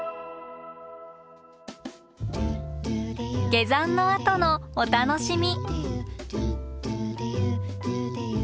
下山のあとのお楽しみ。